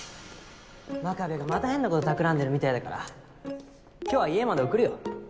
真壁がまた変なことたくらんでるみたいだから今日は家まで送るよ